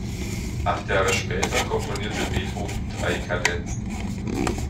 Acht Jahre später komponierte Beethoven drei Kadenzen.